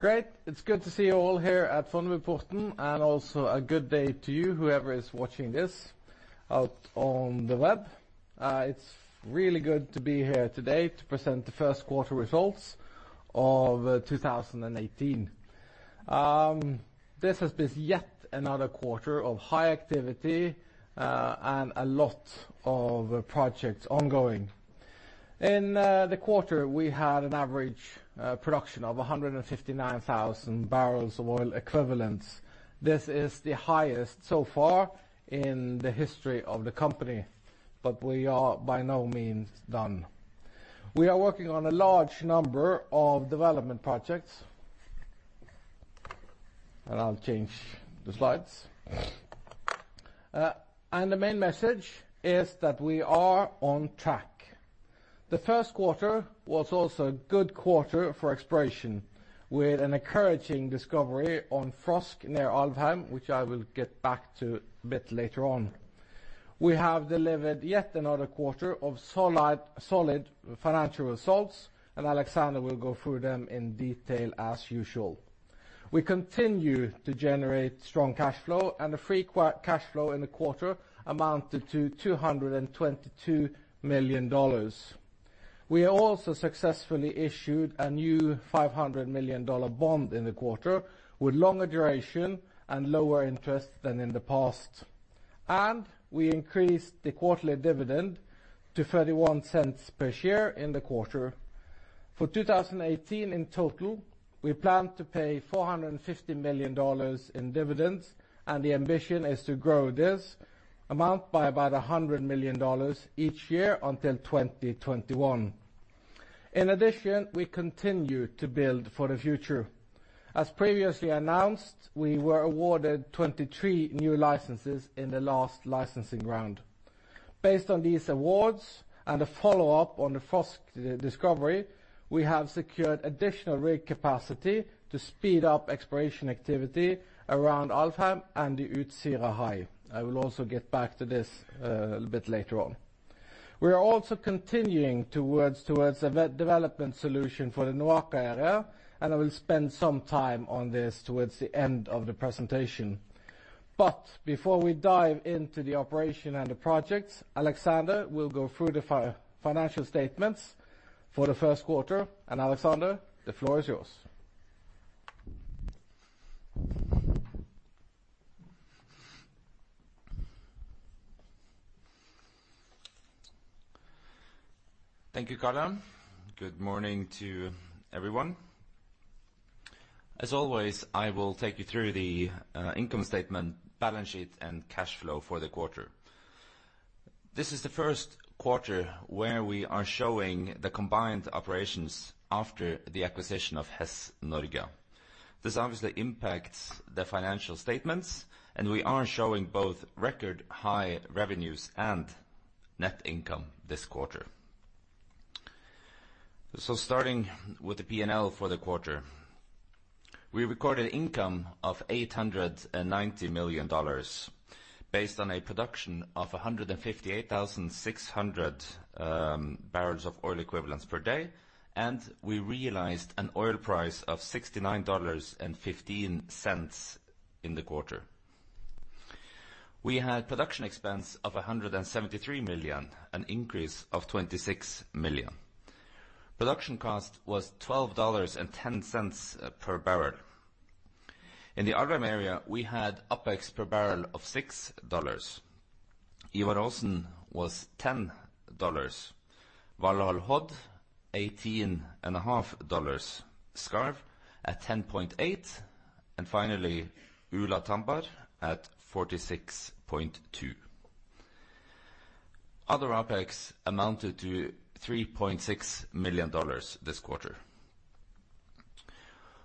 Great. It's good to see you all here at Fornebuporten, also a good day to you, whoever is watching this out on the web. It's really good to be here today to present the first quarter results of 2018. This has been yet another quarter of high activity and a lot of projects ongoing. In the quarter, we had an average production of 159,000 barrels of oil equivalents. This is the highest so far in the history of the company, but we are by no means done. We are working on a large number of development projects. I'll change the slides. The main message is that we are on track. The first quarter was also a good quarter for exploration with an encouraging discovery on Frosk near Alvheim, which I will get back to a bit later on. We have delivered yet another quarter of solid financial results, Alexander will go through them in detail as usual. We continue to generate strong cash flow, the free cash flow in the quarter amounted to $222 million. We also successfully issued a new $500 million bond in the quarter with longer duration and lower interest than in the past. We increased the quarterly dividend to $0.31 per share in the quarter. For 2018 in total, we plan to pay $450 million in dividends, the ambition is to grow this amount by about $100 million each year until 2021. In addition, we continue to build for the future. As previously announced, we were awarded 23 new licenses in the last licensing round. Based on these awards and a follow-up on the Frosk discovery, we have secured additional rig capacity to speed up exploration activity around Alvheim and the Utsira High. I will also get back to this a little bit later on. We are also continuing towards a development solution for the NOAKA area, I will spend some time on this towards the end of the presentation. Before we dive into the operation and the projects, Alexander will go through the financial statements for the first quarter, Alexander, the floor is yours. Thank you, Karl. Good morning to everyone. As always, I will take you through the income statement, balance sheet, cash flow for the quarter. This is the first quarter where we are showing the combined operations after the acquisition of Hess Norge. This obviously impacts the financial statements, we are showing both record-high revenues and net income this quarter. Starting with the P&L for the quarter. We recorded income of $890 million based on a production of 158,600 barrels of oil equivalents per day, we realized an oil price of $69.15 in the quarter. We had production expense of $173 million, an increase of $26 million. Production cost was $12.10 per barrel. In the other area, we had OpEx per barrel of $6. Ivar Aasen was $10. Valhall/Hod, $18.5. Skarv at $10.8. Finally, Ula/Tambar at $46.2. Other OpEx amounted to $3.6 million this quarter.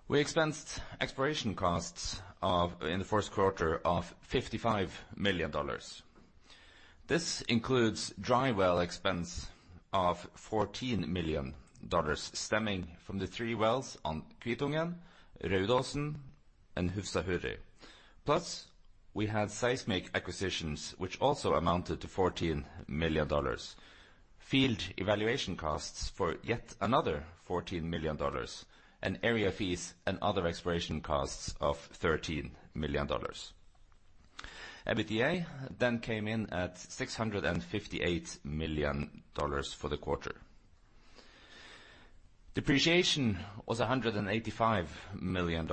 We expensed exploration costs in the first quarter of $55 million. This includes dry well expense of $14 million stemming from the three wells on Kvitungen, Raudosen, and Husa referred. We had seismic acquisitions which also amounted to $14 million. Field evaluation costs for yet another $14 million. Area fees and other exploration costs of $13 million. EBITDA came in at $658 million for the quarter. Depreciation was $185 million.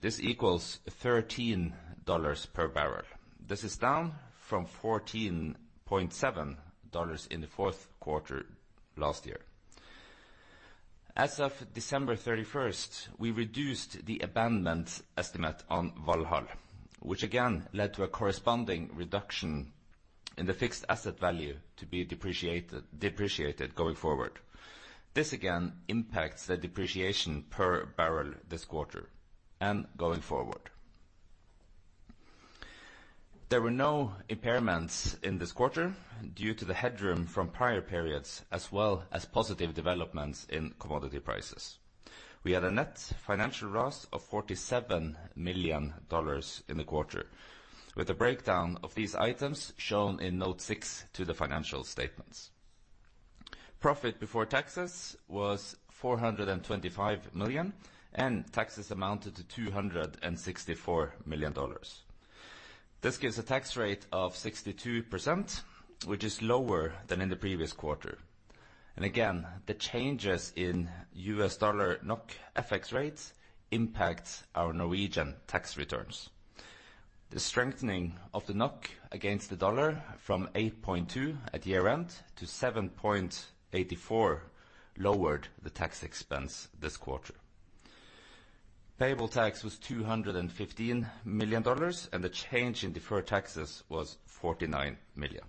This equals $13 per barrel. This is down from $14.7 in the fourth quarter last year. As of December 31st, we reduced the abandonment estimate on Valhall, which again led to a corresponding reduction in the fixed asset value to be depreciated going forward. This again impacts the depreciation per barrel this quarter and going forward. There were no impairments in this quarter due to the headroom from prior periods, as well as positive developments in commodity prices. We had a net financial loss of $47 million in the quarter, with the breakdown of these items shown in note six to the financial statements. Profit before taxes was $425 million, taxes amounted to $264 million. This gives a tax rate of 62%, which is lower than in the previous quarter. Again, the changes in US dollar NOK FX rates impact our Norwegian tax returns. The strengthening of the NOK against the dollar from 8.2 at year-end to 7.84 lowered the tax expense this quarter. Payable tax was $215 million, the change in deferred taxes was $49 million.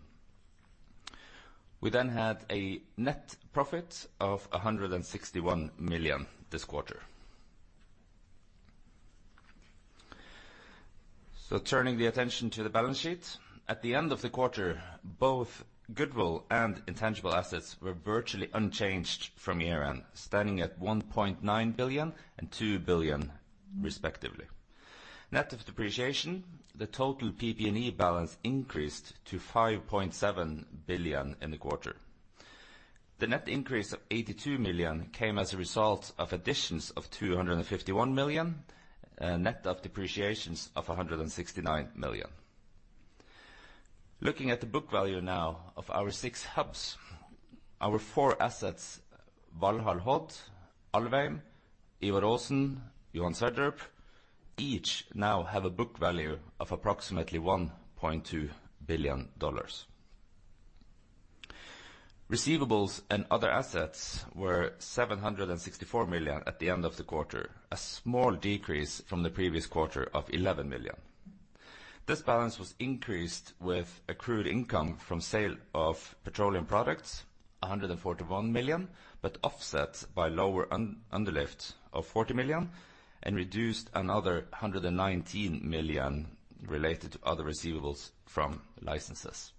We had a net profit of $161 million this quarter. Turning the attention to the balance sheet. At the end of the quarter, both goodwill and intangible assets were virtually unchanged from year-end, standing at $1.9 billion and $2 billion respectively. Net of depreciation, the total PP&E balance increased to $5.7 billion in the quarter. The net increase of $82 million came as a result of additions of $251 million, net of depreciations of $169 million. Looking at the book value now of our six hubs, our four assets, Valhall Hod, Alvheim, Ivar Aasen, Johan Sverdrup, each now have a book value of approximately $1.2 billion. Receivables and other assets were $764 million at the end of the quarter, a small decrease from the previous quarter of $11 million. This balance was increased with accrued income from sale of petroleum products, $141 million, offset by lower underlift of $40 million, reduced another $119 million related to other receivables from licenses.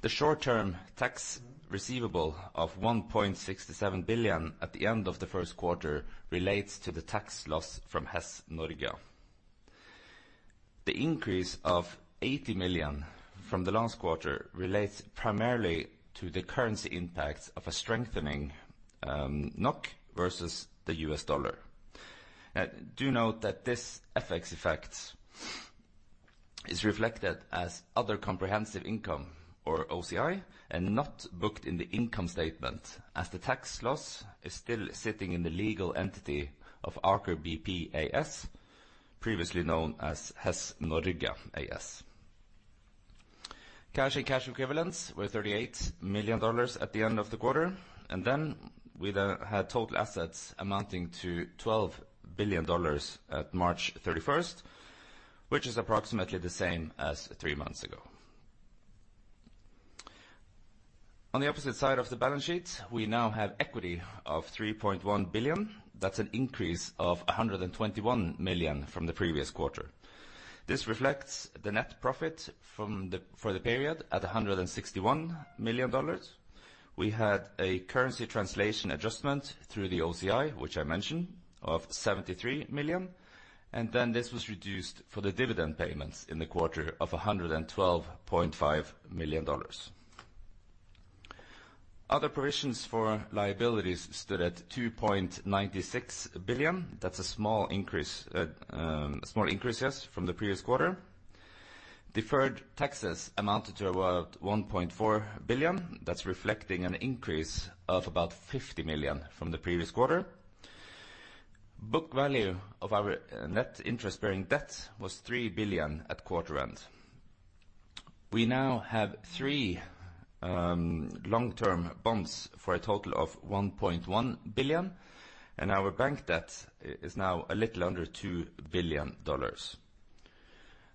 The short-term tax receivable of $1.67 billion at the end of the first quarter relates to the tax loss from Hess Norge. The increase of $80 million from the last quarter relates primarily to the currency impact of a strengthening NOK versus the US dollar. Do note that this FX effect is reflected as other comprehensive income or OCI and not booked in the income statement as the tax loss is still sitting in the legal entity of Aker BP AS, previously known as Hess Norge AS. Cash and cash equivalents were $38 million at the end of the quarter. We had total assets amounting to $12 billion at March 31st, which is approximately the same as three months ago. On the opposite side of the balance sheet, we now have equity of $3.1 billion. That's an increase of $121 million from the previous quarter. This reflects the net profit for the period at $161 million. We had a currency translation adjustment through the OCI, which I mentioned, of $73 million. This was reduced for the dividend payments in the quarter of $112.5 million. Other provisions for liabilities stood at $2.96 billion. That's a small increase, yes, from the previous quarter. Deferred taxes amounted to about $1.4 billion. That's reflecting an increase of about $50 million from the previous quarter. Book value of our net interest-bearing debt was $3 billion at quarter end. We now have three long-term bonds for a total of $1.1 billion, and our bank debt is now a little under $2 billion.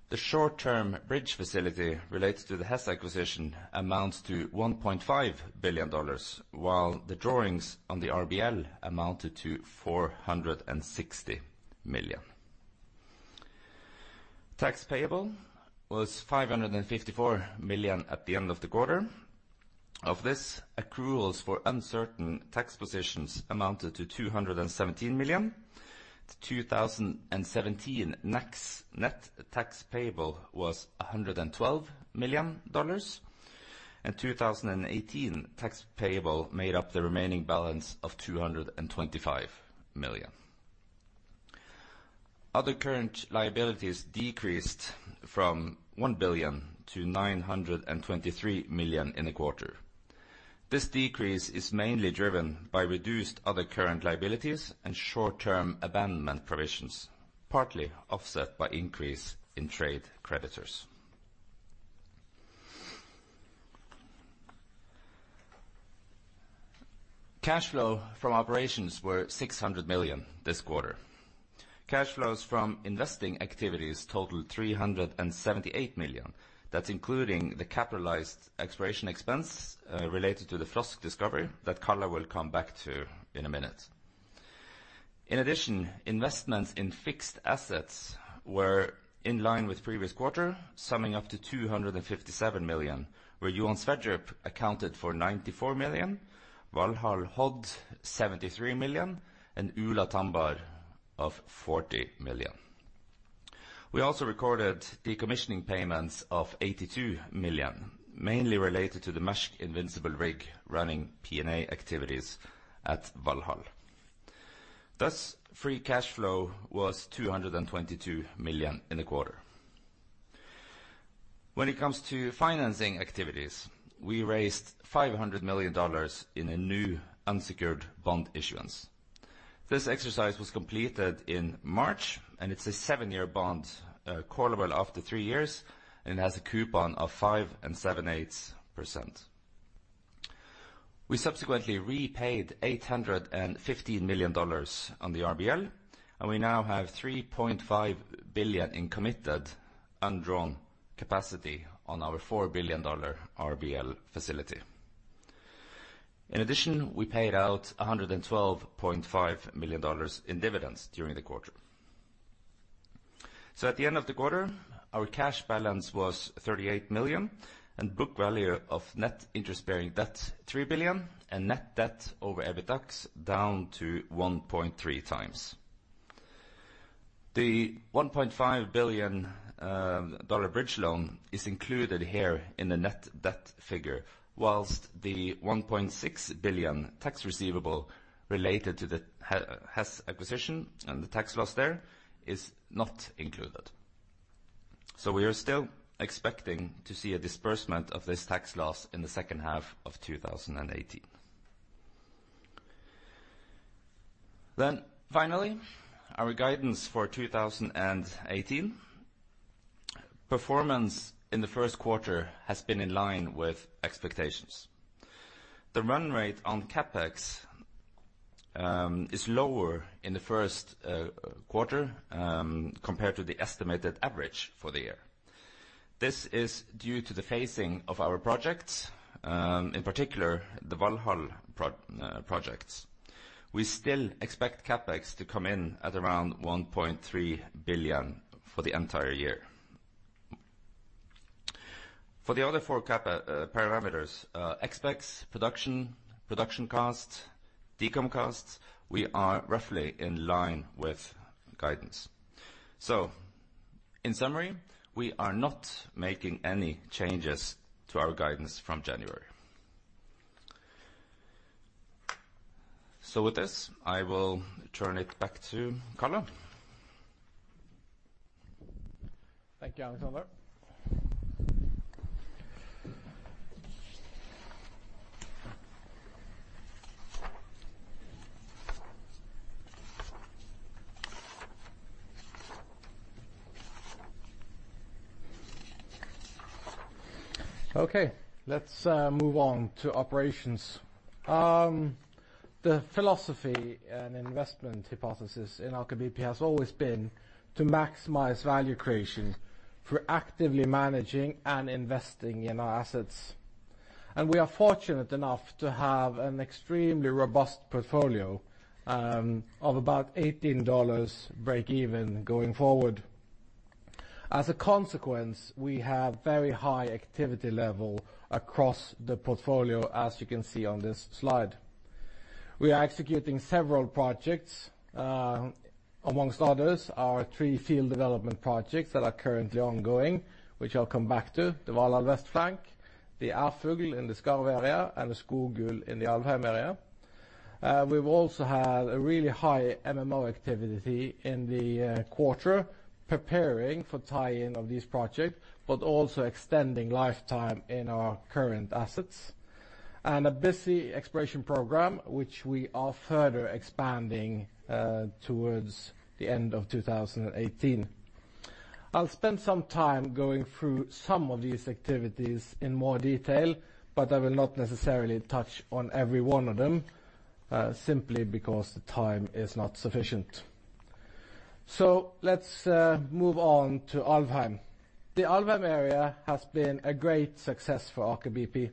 The short-term bridge facility related to the Hess acquisition amounts to $1.5 billion, while the drawings on the RBL amounted to $460 million. Tax payable was $554 million at the end of the quarter. Of this, accruals for uncertain tax positions amounted to $217 million. The 2017 net tax payable was $112 million, 2018 tax payable made up the remaining balance of $225 million. Other current liabilities decreased from $1 billion to $923 million in a quarter. This decrease is mainly driven by reduced other current liabilities and short-term abandonment provisions, partly offset by increase in trade creditors. Cash flow from operations were $600 million this quarter. Cash flows from investing activities totaled $378 million. That's including the capitalized exploration expense related to the Frosk discovery that Karl will come back to in a minute. In addition, investments in fixed assets were in line with previous quarter, summing up to $257 million, where Johan Sverdrup accounted for $94 million, Valhall Hod, $73 million, and Ula Tambar of $40 million. We also recorded decommissioning payments of $82 million, mainly related to the Maersk Invincible rig running P&A activities at Valhall. Thus, free cash flow was $222 million in the quarter. When it comes to financing activities, we raised $500 million in a new unsecured bond issuance. This exercise was completed in March, it's a 7-year bond, callable after three years, it has a coupon of 5.625%. We subsequently repaid $815 million on the RBL. We now have $3.5 billion in committed undrawn capacity on our $4 billion RBL facility. In addition, we paid out $112.5 million in dividends during the quarter. At the end of the quarter, our cash balance was $38 million and book value of net interest-bearing debt, $3 billion, and net debt over EBITDA is down to 1.3 times. The $1.5 billion bridge loan is included here in the net debt figure, whilst the $1.6 billion tax receivable related to the Hess acquisition and the tax loss there is not included. We are still expecting to see a disbursement of this tax loss in the second half of 2018. Finally, our guidance for 2018. Performance in the first quarter has been in line with expectations. The run rate on CapEx is lower in the first quarter, compared to the estimated average for the year. This is due to the phasing of our projects, in particular the Valhall projects. We still expect CapEx to come in at around $1.3 billion for the entire year. For the other four parameters, OpEx, production cost, decom costs, we are roughly in line with guidance. In summary, we are not making any changes to our guidance from January. With this, I will turn it back to Karl. Thank you, Alexander. Okay, let's move on to operations. The philosophy and investment hypothesis in Aker BP has always been to maximize value creation through actively managing and investing in our assets. We are fortunate enough to have an extremely robust portfolio of about $18 breakeven going forward. As a consequence, we have very high activity level across the portfolio, as you can see on this slide. We are executing several projects. Amongst others are three field development projects that are currently ongoing, which I'll come back to. The Valhall Flank West, the Ærfugl in the Skarv area, and the Skogul in the Alvheim area. We've also had a really high MMO activity in the quarter preparing for tie-in of this project, but also extending lifetime in our current assets. A busy exploration program, which we are further expanding towards the end of 2018. I'll spend some time going through some of these activities in more detail, I will not necessarily touch on every one of them, simply because the time is not sufficient. Let's move on to Alvheim. The Alvheim area has been a great success for Aker BP.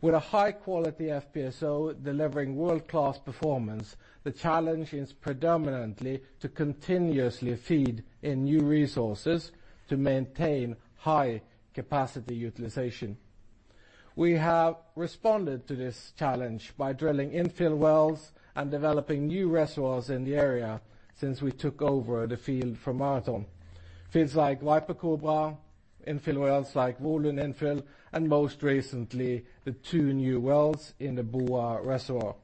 With a high-quality FPSO delivering world-class performance, the challenge is predominantly to continuously feed in new resources to maintain high capacity utilization. We have responded to this challenge by drilling infill wells and developing new reservoirs in the area since we took over the field from Marathon. Fields like Viper-Kobra, infill wells like Volund Infill, and most recently, the two new wells in the Boa reservoir.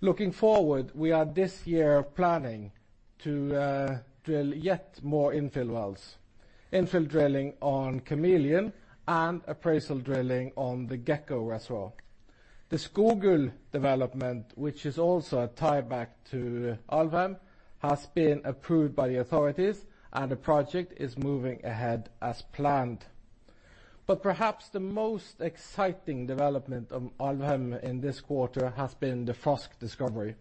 Looking forward, we are this year planning to drill yet more infill wells. Infill drilling on Kameleon and appraisal drilling on the Gekko reservoir. The Skogul development, which is also a tie-back to Alvheim, has been approved by the authorities, the project is moving ahead as planned. Perhaps the most exciting development of Alvheim in this quarter has been the Frosk discovery.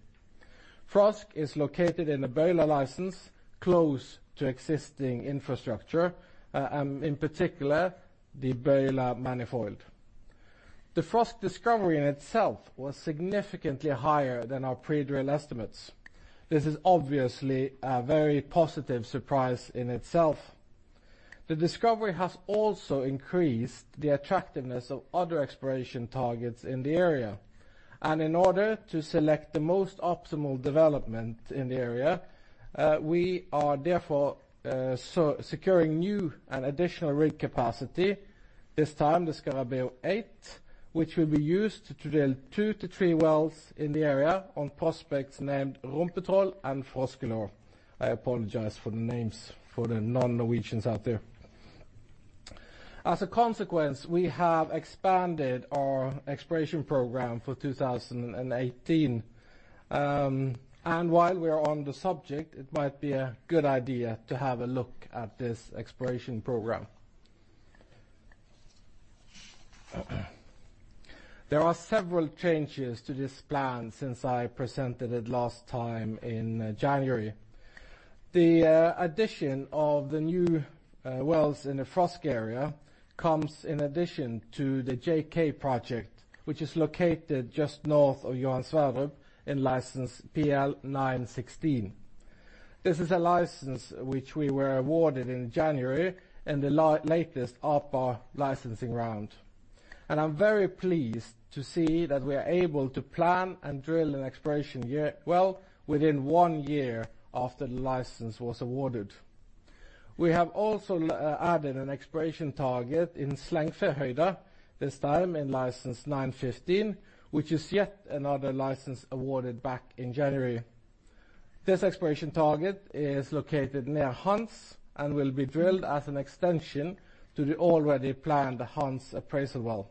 Frosk is located in the Bøyla license, close to existing infrastructure, in particular, the Bøyla manifold. The Frosk discovery in itself was significantly higher than our pre-drill estimates. This is obviously a very positive surprise in itself. The discovery has also increased the attractiveness of other exploration targets in the area. In order to select the most optimal development in the area, we are therefore securing new and additional rig capacity. This time the Scarabeo 8, which will be used to drill two to three wells in the area on prospects named Rumpetroll and Froskelår. I apologize for the names for the non-Norwegians out there. We have expanded our exploration program for 2018. While we are on the subject, it might be a good idea to have a look at this exploration program. There are several changes to this plan since I presented it last time in January. The addition of the new wells in the Frosk area comes in addition to the JK project, which is located just north of Johan Sverdrup in license PL916. This is a license which we were awarded in January in the latest Aker licensing round. I am very pleased to see that we are able to plan and drill an exploration well within one year after the license was awarded. We have also added an exploration target in Slangførhøyden, this time in license 915, which is yet another license awarded back in January. This exploration target is located near Hans and will be drilled as an extension to the already planned Hans appraisal well.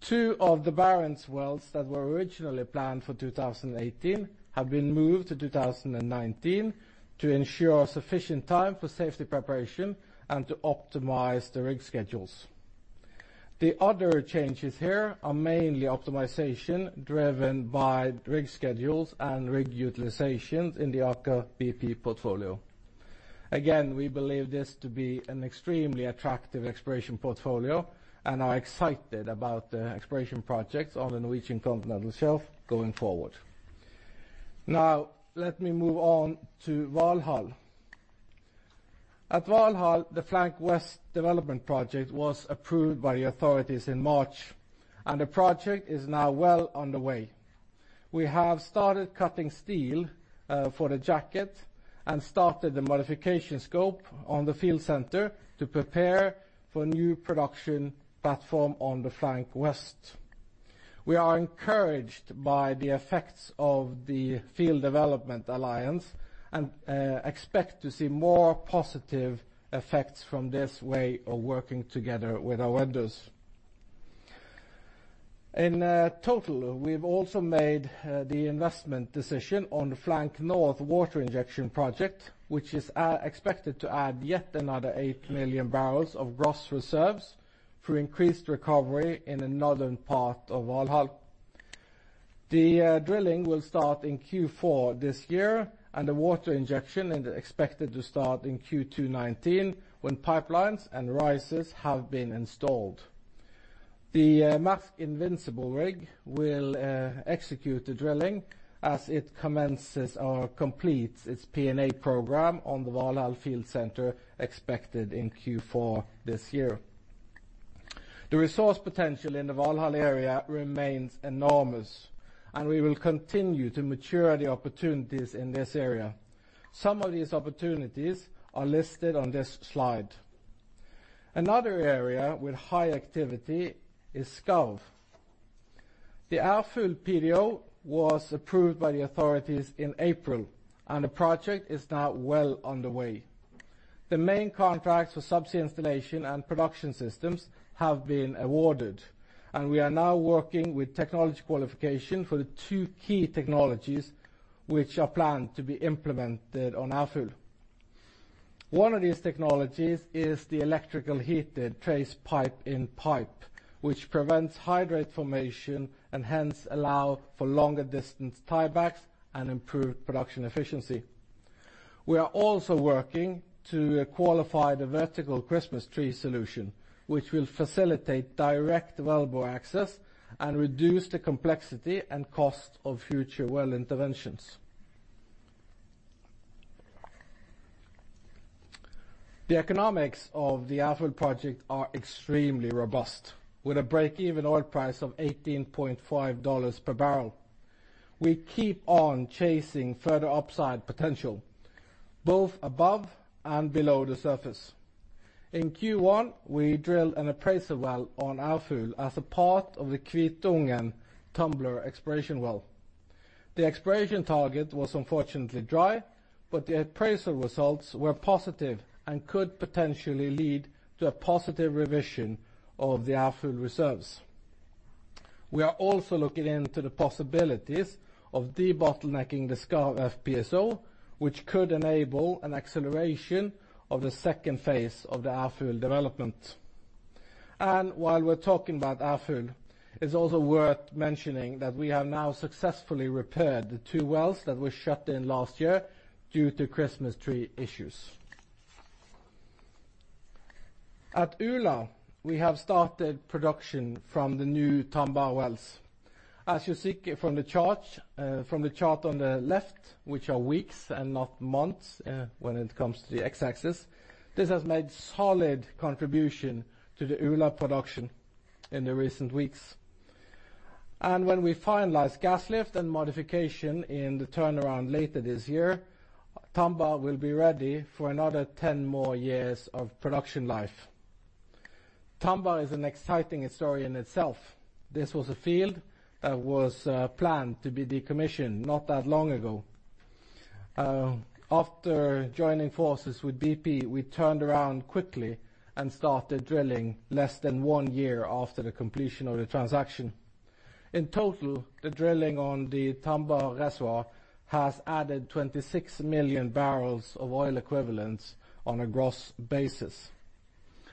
Two of the Barents wells that were originally planned for 2018 have been moved to 2019 to ensure sufficient time for safety preparation and to optimize the rig schedules. The other changes here are mainly optimization driven by rig schedules and rig utilizations in the Aker BP portfolio. We believe this to be an extremely attractive exploration portfolio and are excited about the exploration projects on the Norwegian continental shelf going forward. Let me move on to Valhall. At Valhall, the Flank West development project was approved by the authorities in March. The project is now well underway. We have started cutting steel for the jacket and started the modification scope on the field center to prepare for new production platform on the Flank West. We are encouraged by the effects of the field development alliance and expect to see more positive effects from this way of working together with our vendors. We have also made the investment decision on the Flank North water injection project, which is expected to add yet another eight million barrels of gross reserves through increased recovery in the northern part of Valhall. The drilling will start in Q4 this year. The water injection is expected to start in Q2 2019 when pipelines and risers have been installed. The Maersk Invincible rig will execute the drilling as it commences or completes its P&A program on the Valhall field center expected in Q4 this year. The resource potential in the Valhall area remains enormous, and we will continue to mature the opportunities in this area. Some of these opportunities are listed on this slide. Another area with high activity is Skarv. The Ærfugl PDO was approved by the authorities in April. The project is now well underway. The main contracts for subsea installation and production systems have been awarded. We are now working with technology qualification for the two key technologies, which are planned to be implemented on Ærfugl. One of these technologies is the electrical heated trace pipe-in-pipe, which prevents hydrate formation and hence allow for longer distance tiebacks and improved production efficiency. We are also working to qualify the vertical Christmas tree solution, which will facilitate direct wellbore access and reduce the complexity and cost of future well interventions. The economics of the Ærfugl project are extremely robust with a break-even oil price of $18.50 per barrel. We keep on chasing further upside potential, both above and below the surface. In Q1, we drilled an appraisal well on Alfhild as a part of the Kvitungen/Tumler exploration well. The exploration target was unfortunately dry, but the appraisal results were positive and could potentially lead to a positive revision of the Alfhild reserves. We are also looking into the possibilities of debottlenecking the Skarv FPSO, which could enable an acceleration of the second phase of the Alfhild development. While we're talking about Alfhild, it's also worth mentioning that we have now successfully repaired the two wells that were shut in last year due to Christmas tree issues. At Ula, we have started production from the new Tambar wells. As you see from the chart on the left, which are weeks and not months when it comes to the x-axis, this has made solid contribution to the Ula production in the recent weeks. When we finalize gas lift and modification in the turnaround later this year, Tambar will be ready for another 10 more years of production life. Tambar is an exciting story in itself. This was a field that was planned to be decommissioned not that long ago. After joining forces with BP, we turned around quickly and started drilling less than one year after the completion of the transaction. In total, the drilling on the Tambar reservoir has added 26 million barrels of oil equivalents on a gross basis.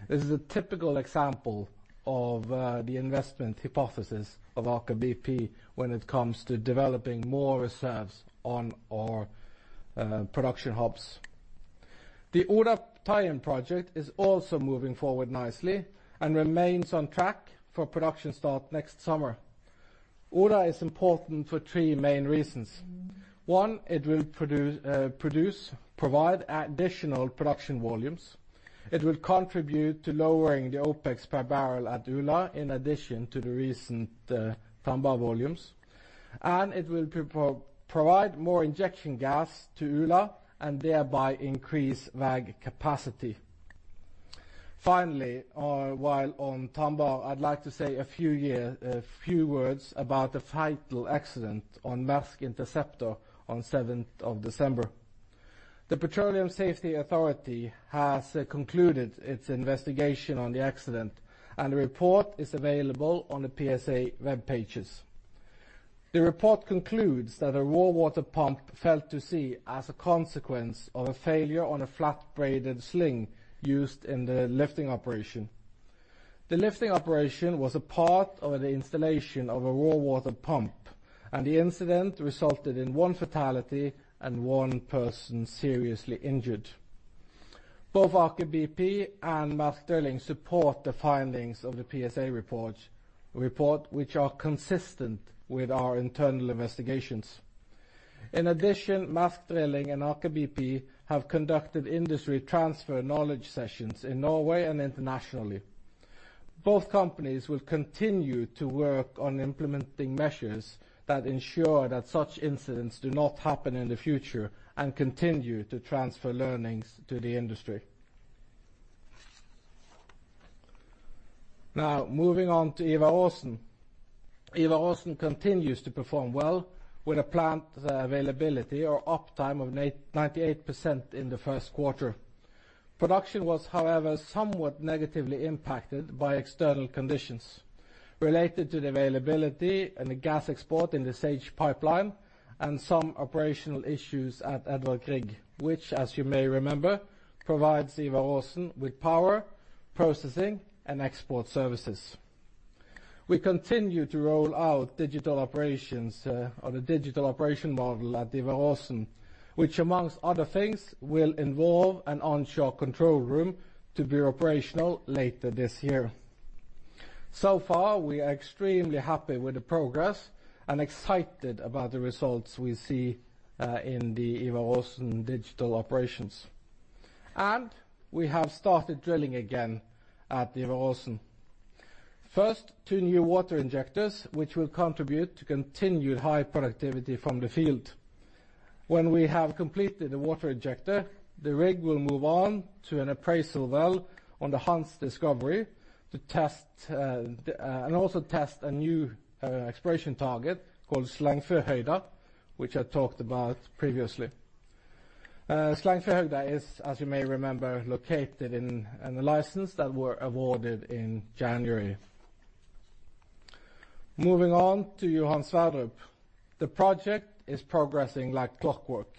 This is a typical example of the investment hypothesis of Aker BP when it comes to developing more reserves on our production hubs. The Ula tie-in project is also moving forward nicely and remains on track for production start next summer. Ula is important for three main reasons. One, it will provide additional production volumes. It will contribute to lowering the OpEx per barrel at Ula in addition to the recent Tambar volumes, and it will provide more injection gas to Ula and thereby increase WAG capacity. Finally, while on Tambar, I'd like to say a few words about the fatal accident on Maersk Interceptor on 7th of December. The Petroleum Safety Authority has concluded its investigation on the accident, and the report is available on the PSA webpages. The report concludes that a raw water pump fell to sea as a consequence of a failure on a flat braided sling used in the lifting operation. The lifting operation was a part of the installation of a raw water pump, and the incident resulted in one fatality and one person seriously injured. Both Aker BP and Maersk Drilling support the findings of the PSA report, which are consistent with our internal investigations. In addition, Maersk Drilling and Aker BP have conducted industry transfer knowledge sessions in Norway and internationally. Both companies will continue to work on implementing measures that ensure that such incidents do not happen in the future and continue to transfer learnings to the industry. Now, moving on to Ivar Aasen. Ivar Aasen continues to perform well with a plant availability or uptime of 98% in the first quarter. Production was, however, somewhat negatively impacted by external conditions related to the availability and the gas export in the SAGE pipeline and some operational issues at Edvard Grieg, which as you may remember, provides Ivar Aasen with power, processing, and export services. We continue to roll out digital operations on a digital operation model at Ivar Aasen, which among other things, will involve an onshore control room to be operational later this year. We are extremely happy with the progress and excited about the results we see in the Ivar Aasen digital operations. We have started drilling again at Ivar Aasen. First, two new water injectors, which will contribute to continued high productivity from the field. When we have completed the water injector, the rig will move on to an appraisal well on the Hans discovery and also test a new exploration target called Slangførhøyda, which I talked about previously. Slangførhøyda is, as you may remember, located in the license that were awarded in January. Moving on to Johan Sverdrup. The project is progressing like clockwork,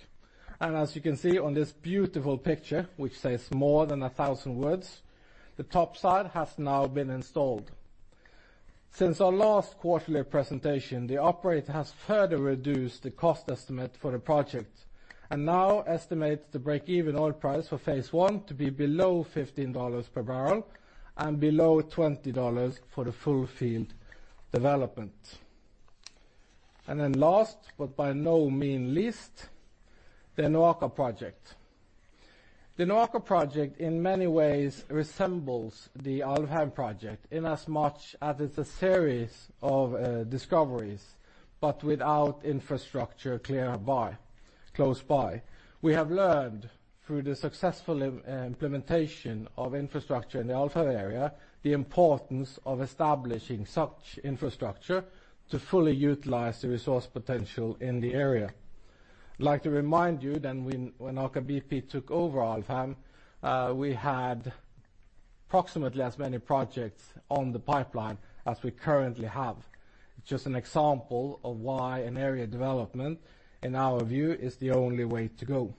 and as you can see on this beautiful picture, which says more than a thousand words, the top side has now been installed. Since our last quarterly presentation, the operator has further reduced the cost estimate for the project and now estimates the break-even oil price for phase 1 to be below $15 per barrel and below $20 for the full field development. Last, but by no mean least, the NOAKA project. The NOAKA project in many ways resembles the Alvheim project in as much as it's a series of discoveries, but without infrastructure close by. We have learned through the successful implementation of infrastructure in the Alvheim area, the importance of establishing such infrastructure to fully utilize the resource potential in the area. I'd like to remind you that when Aker BP took over Alvheim, we had approximately as many projects on the pipeline as we currently have. Just an example of why an area development, in our view, is the only way to go.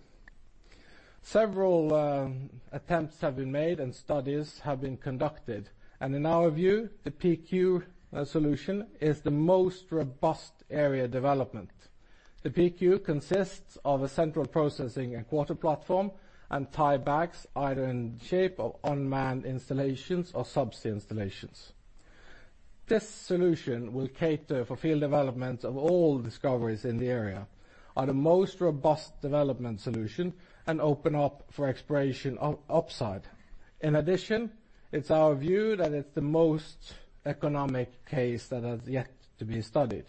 Several attempts have been made and studies have been conducted, in our view, the PQ solution is the most robust area development. The PQ consists of a central processing and quarter platform and tiebacks either in the shape of unmanned installations or subsea installations. This solution will cater for field development of all discoveries in the area on a most robust development solution and open up for exploration upside. In addition, it's our view that it's the most economic case that has yet to be studied.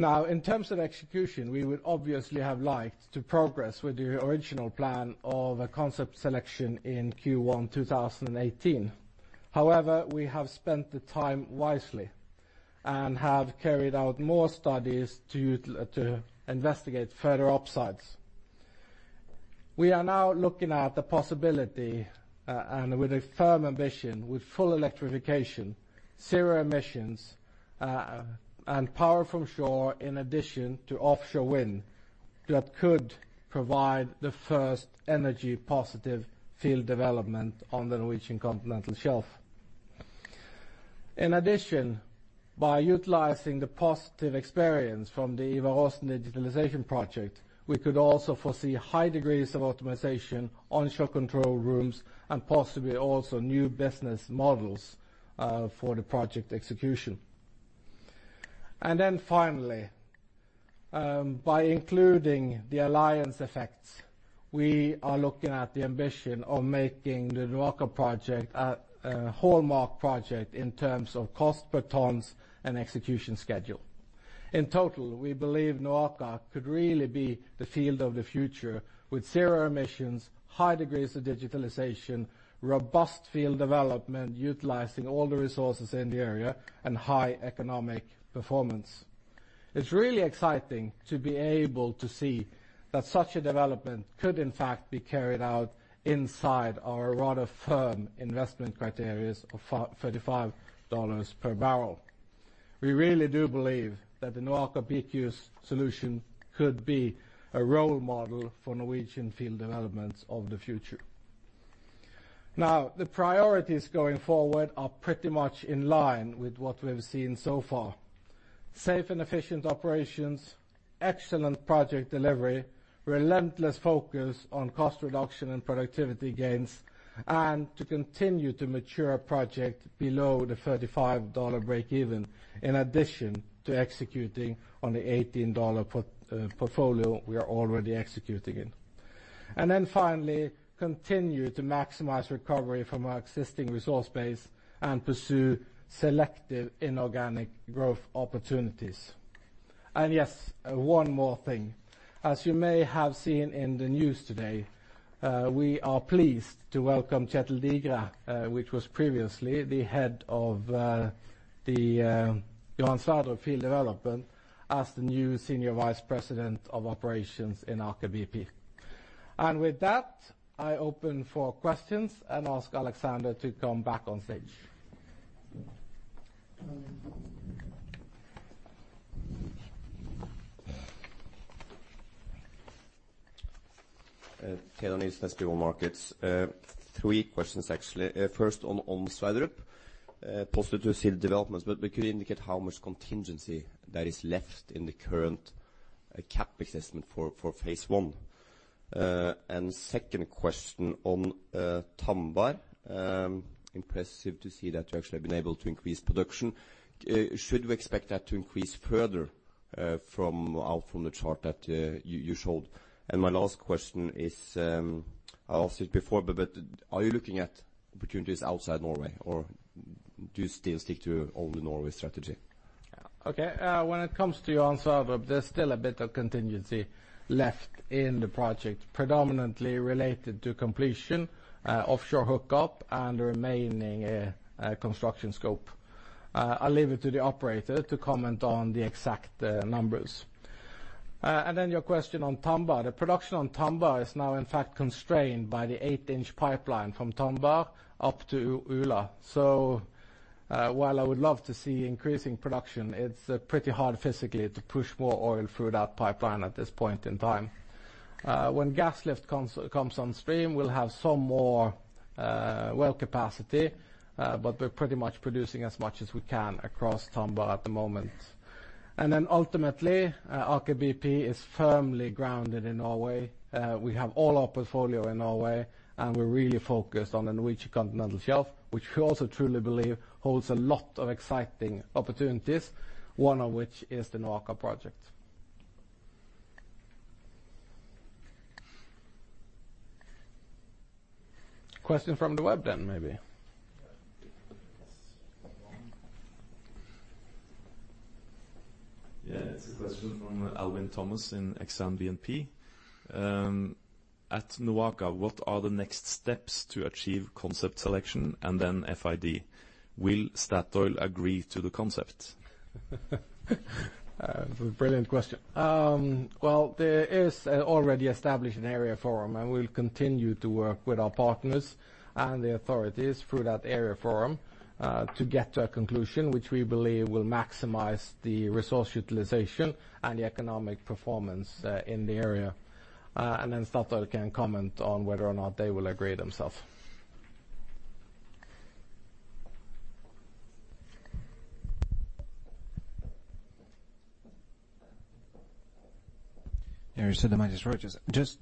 Now, in terms of execution, we would obviously have liked to progress with the original plan of a concept selection in Q1 2018. However, we have spent the time wisely and have carried out more studies to investigate further upsides. We are now looking at the possibility, with a firm ambition, with full electrification, zero emissions, and power from shore in addition to offshore wind, that could provide the first energy positive field development on the Norwegian Continental Shelf. In addition, by utilizing the positive experience from the Ivar Aasen digitalization project, we could also foresee high degrees of optimization, onshore control rooms, and possibly also new business models for the project execution. Finally, by including the alliance effects, we are looking at the ambition of making the NOAKA project a hallmark project in terms of cost per tons and execution schedule. In total, we believe NOAKA could really be the field of the future with zero emissions, high degrees of digitalization, robust field development, utilizing all the resources in the area, and high economic performance. It's really exciting to be able to see that such a development could in fact be carried out inside our rather firm investment criterias of $35 per barrel. We really do believe that the NOAKA BP solution could be a role model for Norwegian field developments of the future. The priorities going forward are pretty much in line with what we have seen so far. Safe and efficient operations, excellent project delivery, relentless focus on cost reduction and productivity gains, and to continue to mature project below the $35 break even, in addition to executing on the $18 portfolio we are already executing in. Then finally, continue to maximize recovery from our existing resource base and pursue selective inorganic growth opportunities. Yes, one more thing. As you may have seen in the news today, we are pleased to welcome Kjetil Digre, which was previously the head of the Johan Sverdrup field development, as the new Senior Vice President of Operations in Aker BP. With that, I open for questions and ask Alexander to come back on stage. Ted Anilis, RBM Markets. Three questions, actually. First on Sverdrup. Positive to see the developments, but could you indicate how much contingency there is left in the current CapEx assessment for phase 1? Second question on Tambar. Impressive to see that you actually have been able to increase production. Should we expect that to increase further from out from the chart that you showed? My last question is, I asked it before, but are you looking at opportunities outside Norway or do you still stick to only Norway strategy? Okay. When it comes to Johan Sverdrup, there's still a bit of contingency left in the project, predominantly related to completion, offshore hookup, and the remaining construction scope. I'll leave it to the operator to comment on the exact numbers. Then your question on Tambar. The production on Tambar is now in fact constrained by the 8-inch pipeline from Tambar up to Ula. So while I would love to see increasing production, it's pretty hard physically to push more oil through that pipeline at this point in time. When gas lift comes on stream, we'll have some more well capacity, but we're pretty much producing as much as we can across Tambar at the moment. Then ultimately, Aker BP is firmly grounded in Norway. We have all our portfolio in Norway, and we're really focused on the Norwegian continental shelf, which we also truly believe holds a lot of exciting opportunities, one of which is the NOAKA project. Question from the web, maybe. Yeah. It's a question from Alvin Thomas in Exane BNP. At NOAKA, what are the next steps to achieve concept selection and FID? Will Statoil agree to the concept? Brilliant question. Well, there is an already established area forum, and we'll continue to work with our partners and the authorities through that area forum to get to a conclusion which we believe will maximize the resource utilization and the economic performance in the area. Statoil can comment on whether or not they will agree themselves. Harry Sidomunis Rogers. Just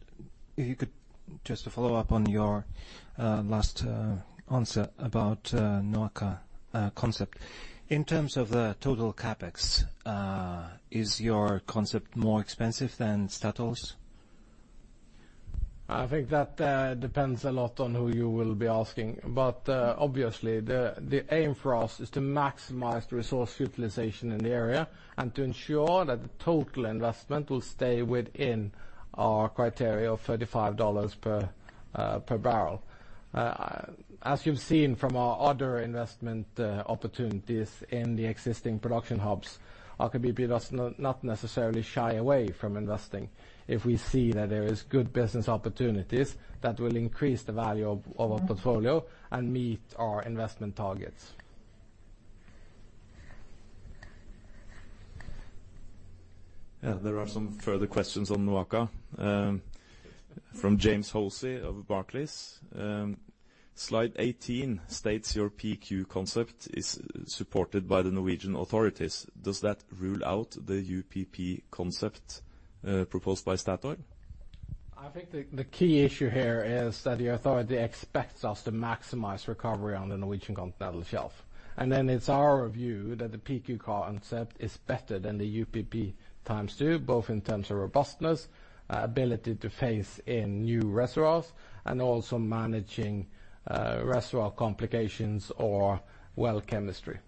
to follow up on your last answer about NOAKA concept. In terms of the total CapEx, is your concept more expensive than Statoil's? I think that depends a lot on who you will be asking. Obviously, the aim for us is to maximize the resource utilization in the area and to ensure that the total investment will stay within our criteria of $35 per barrel. As you've seen from our other investment opportunities in the existing production hubs, Aker BP does not necessarily shy away from investing if we see that there is good business opportunities that will increase the value of our portfolio and meet our investment targets. There are some further questions on NOAKA from James Hosie of Barclays. Slide 18 states your PQ concept is supported by the Norwegian authorities. Does that rule out the UPP concept proposed by Statoil? I think the key issue here is that the authority expects us to maximize recovery on the Norwegian continental shelf. It's our view that the PQ concept is better than the UPP times two, both in terms of robustness, ability to face in new reservoirs and also managing reservoir complications or well chemistry.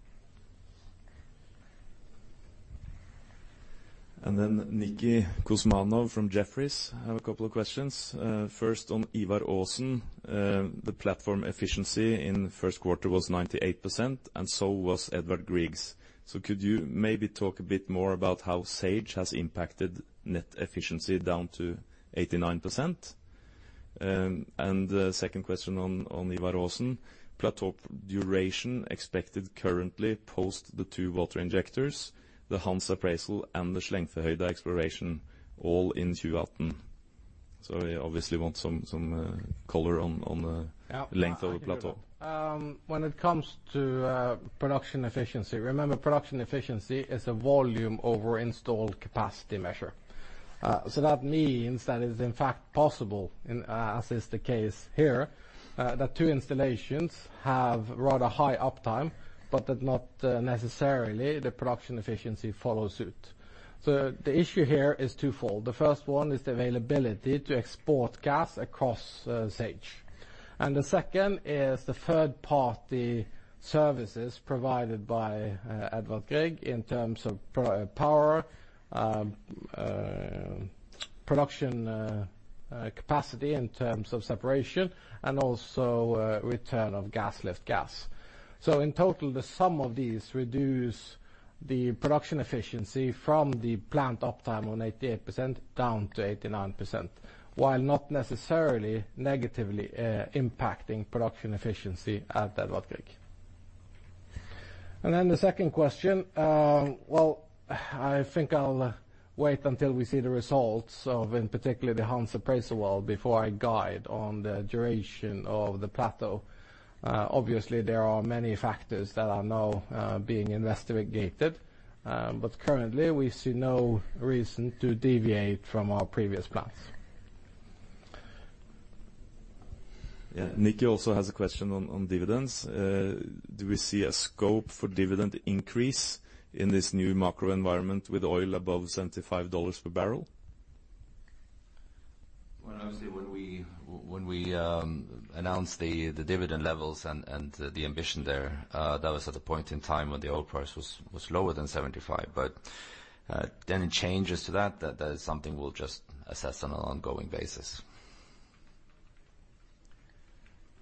Nikki Kuzmanov from Jefferies. I have a couple of questions. First, on Ivar Aasen, the platform efficiency in first quarter was 98%, and so was Edvard Grieg's. Could you maybe talk a bit more about how SAGE has impacted net efficiency down to 89%? The second question on Ivar Aasen, plateau duration expected currently post the two water injectors, the Husa appraisal and the Slangførhøyden exploration all in 2018. We obviously want some color. Yeah length of the plateau. When it comes to production efficiency, remember production efficiency is a volume over installed capacity measure. That means that is in fact possible, as is the case here, that two installations have rather high uptime, but that not necessarily the production efficiency follows suit. The issue here is twofold. The first one is the availability to export gas across SAGE, and the second is the third-party services provided by Edvard Grieg in terms of power, production capacity, in terms of separation and also return of gas lift gas. In total, the sum of these reduce the production efficiency from the plant uptime on 88% down to 89%, while not necessarily negatively impacting production efficiency at Edvard Grieg. The second question, well, I think I'll wait until we see the results of, in particular, the Hans appraisal well before I guide on the duration of the plateau. Obviously, there are many factors that are now being investigated. Currently, we see no reason to deviate from our previous plans. Yeah. Nikki also has a question on dividends. Do we see a scope for dividend increase in this new macro environment with oil above $75 per barrel? Obviously when we announced the dividend levels and the ambition there, that was at the point in time when the oil price was lower than $75. Any changes to that is something we'll just assess on an ongoing basis.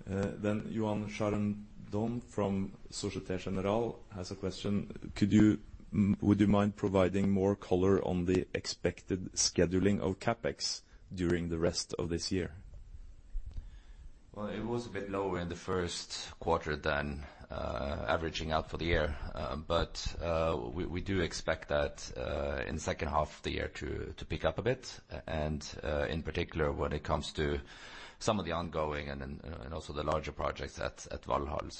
Johan Scharer from Société Générale has a question. Would you mind providing more color on the expected scheduling of CapEx during the rest of this year? It was a bit lower in the first quarter than averaging out for the year. We do expect that in the second half of the year to pick up a bit. In particular, when it comes to some of the ongoing and also the larger projects at Valhall.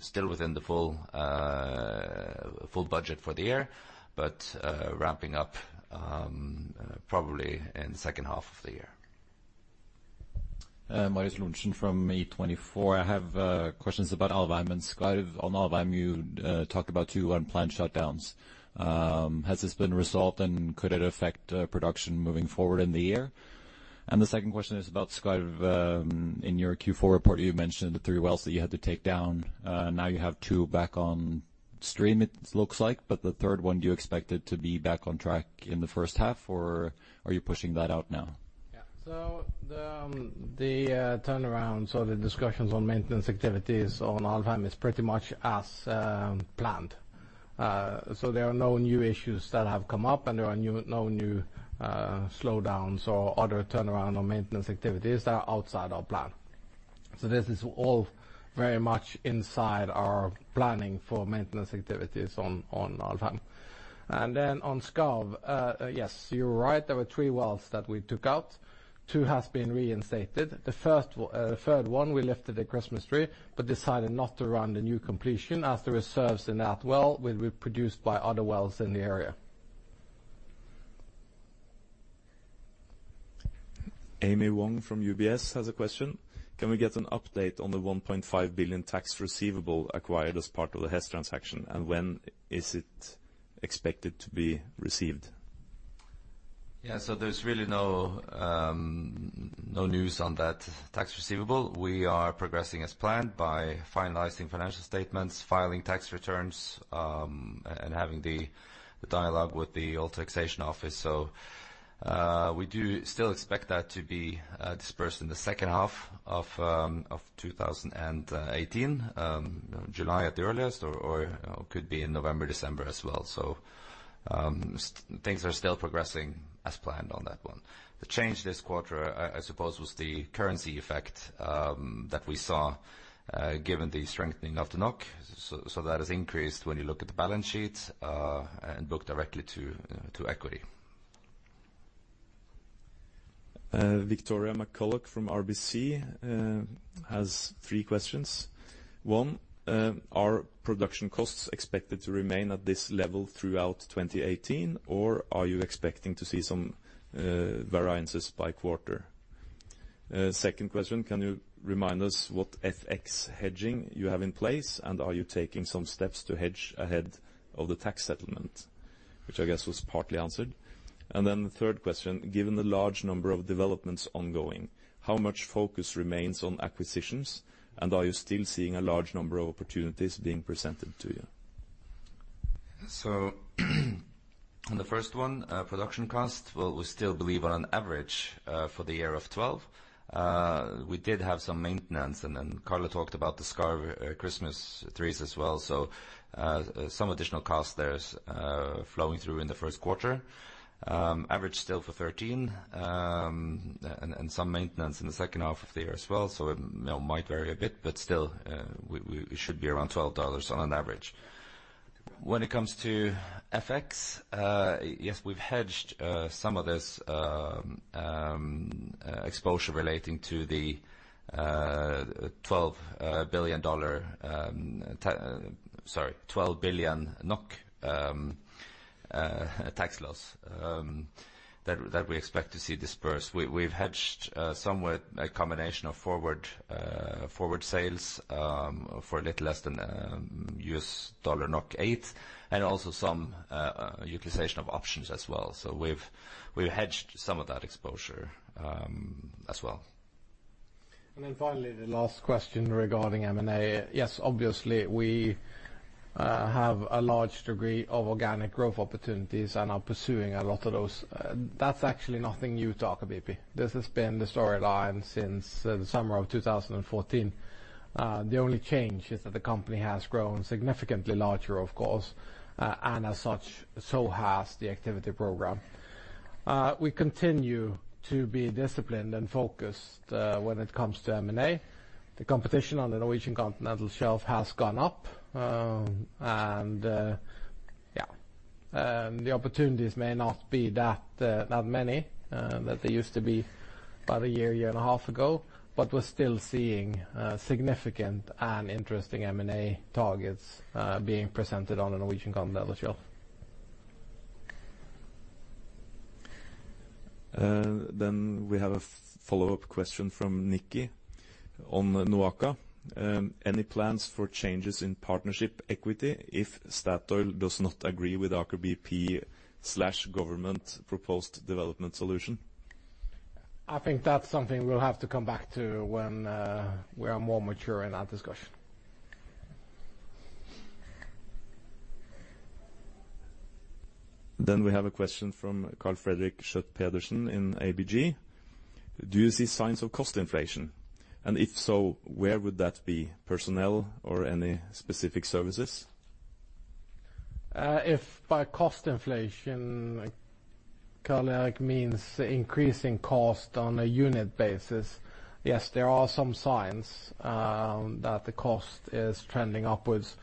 Still within the full budget for the year, but ramping up probably in the second half of the year. Marius Lorentzen from E24. I have questions about Alvheim and Skarv. On Alvheim you talked about two unplanned shutdowns. Has this been resolved, and could it affect production moving forward in the year? The second question is about Skarv. In your Q4 report, you mentioned the three wells that you had to take down. Now you have two back on stream, it looks like, but the third one, do you expect it to be back on track in the first half, or are you pushing that out now? The turnaround, the discussions on maintenance activities on Alvheim is pretty much as planned. There are no new issues that have come up, and there are no new slowdowns or other turnaround or maintenance activities that are outside our plan. This is all very much inside our planning for maintenance activities on Alvheim. Then on Skarv, yes, you are right, there were three wells that we took out. Two has been reinstated. The third one we lifted at Christmas tree, but decided not to run the new completion as the reserves in that well will be produced by other wells in the area. Amy Wong from UBS has a question. Can we get an update on the $1.5 billion tax receivable acquired as part of the Hess transaction, and when is it expected to be received? There's really no news on that tax receivable. We are progressing as planned by finalizing financial statements, filing tax returns, and having the dialogue with the old taxation office. We do still expect that to be dispersed in the second half of 2018. July at the earliest, or it could be in November, December as well. Things are still progressing as planned on that one. The change this quarter, I suppose, was the currency effect that we saw, given the strengthening of the NOK. That has increased when you look at the balance sheet, and book directly to equity. Victoria McCulloch from RBC has three questions. One, are production costs expected to remain at this level throughout 2018, or are you expecting to see some variances by quarter? Second question, can you remind us what FX hedging you have in place, and are you taking some steps to hedge ahead of the tax settlement? Which I guess was partly answered. Then the third question, given the large number of developments ongoing, how much focus remains on acquisitions, and are you still seeing a large number of opportunities being presented to you? Production cost, well, we still believe on an average for the year of $12. We did have some maintenance, and Carlo talked about the Skarv Christmas trees as well. Some additional cost there is flowing through in the first quarter. Average still for $13, and some maintenance in the second half of the year as well. It might vary a bit, but still, it should be around $12 on an average. When it comes to FX, we've hedged some of this exposure relating to the NOK 12 billion tax loss that we expect to see dispersed. We've hedged somewhat a combination of forward sales for a little less than a USD NOK eight, and also some utilization of options as well. We've hedged some of that exposure as well. Finally, the last question regarding M&A. We have a large degree of organic growth opportunities and are pursuing a lot of those. That's actually nothing new to Aker BP. This has been the storyline since the summer of 2014. The only change is that the company has grown significantly larger of course, and as such, so has the activity program. We continue to be disciplined and focused when it comes to M&A. The competition on the Norwegian Continental Shelf has gone up. The opportunities may not be that many that they used to be about a year and a half ago. We're still seeing significant and interesting M&A targets being presented on the Norwegian Continental Shelf. We have a follow-up question from Nikki on NOAKA. Any plans for changes in partnership equity if Statoil does not agree with Aker BP/government proposed development solution? I think that's something we'll have to come back to when we are more mature in our discussion. We have a question from Karl Fredrik Schjøtt-Pedersen in ABG. Do you see signs of cost inflation? If so, where would that be? Personnel or any specific services? If by cost inflation, Karl Fredrik means increasing cost on a unit basis, yes, there are some signs that the cost is trending upwards.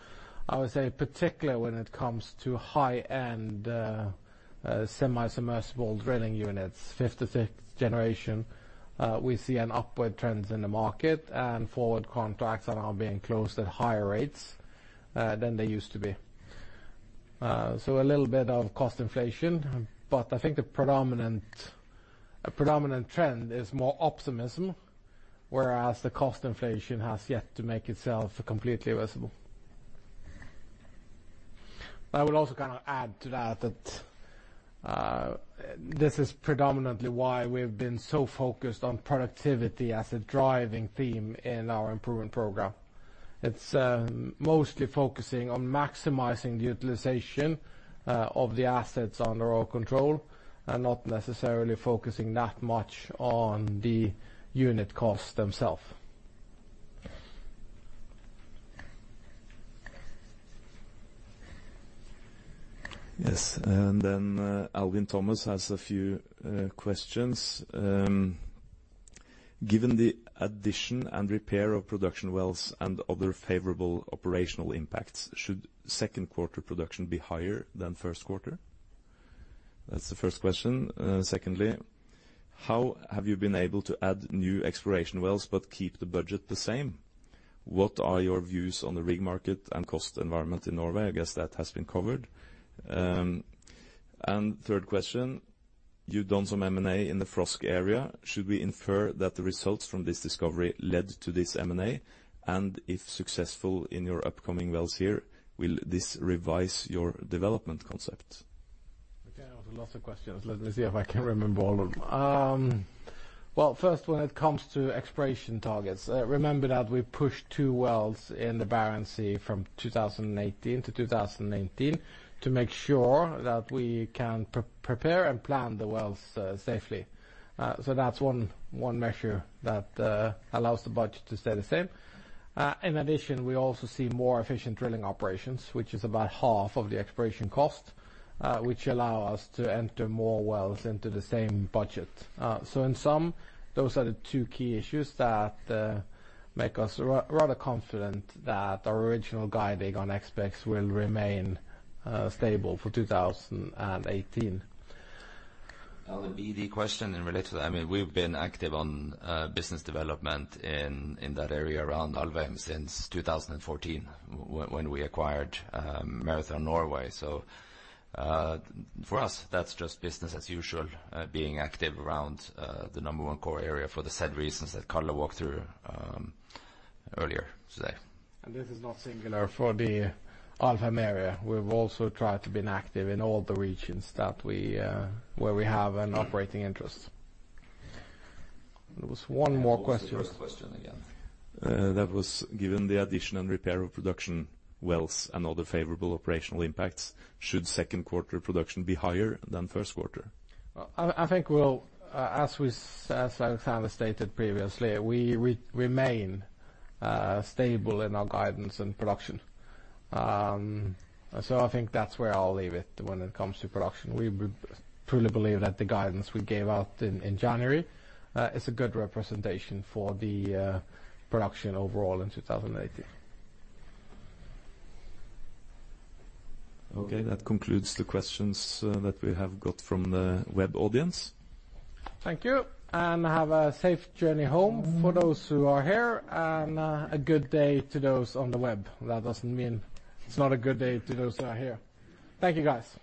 I would say particularly when it comes to high-end semi-submersible drilling units, 5th to 6th generation. We see an upward trend in the market, forward contracts are now being closed at higher rates than they used to be. A little bit of cost inflation, but I think the predominant trend is more optimism, whereas the cost inflation has yet to make itself completely visible. I would also add to that this is predominantly why we have been so focused on productivity as a driving theme in our improvement program. It is mostly focusing on maximizing the utilization of the assets under our control, not necessarily focusing that much on the unit cost themselves. Yes. Alvin Thomas has a few questions. Given the addition and repair of production wells and other favorable operational impacts, should second quarter production be higher than first quarter? That is the first question. Secondly, how have you been able to add new exploration wells but keep the budget the same? What are your views on the rig market and cost environment in Norway? I guess that has been covered. Third question, you have done some M&A in the Frosk area. Should we infer that the results from this discovery led to this M&A? If successful in your upcoming wells here, will this revise your development concept? Okay. Lots of questions. Let me see if I can remember all of them. First, when it comes to exploration targets, remember that we pushed two wells in the Barents Sea from 2018 to 2019 to make sure that we can prepare and plan the wells safely. That is one measure that allows the budget to stay the same. In addition, we also see more efficient drilling operations, which is about half of the exploration cost, which allow us to enter more wells into the same budget. In sum, those are the two key issues that make us rather confident that our original guiding on expense will remain stable for 2018. On the BD question in related to that, we've been active on business development in that area around Alvheim since 2014 when we acquired Marathon Norway. For us, that's just business as usual, being active around the number 1 core area for the said reasons that Carlo walked through earlier today. This is not singular for the Alvheim area. We've also tried to be active in all the regions where we have an operating interest. There was one more question. What was the first question again? That was given the addition and repair of production wells and other favorable operational impacts, should second quarter production be higher than first quarter? I think as Alexander stated previously, we remain stable in our guidance and production. I think that's where I'll leave it when it comes to production. We truly believe that the guidance we gave out in January is a good representation for the production overall in 2018. Okay, that concludes the questions that we have got from the web audience. Thank you, have a safe journey home for those who are here, and a good day to those on the web. That doesn't mean it's not a good day to those who are here. Thank you, guys.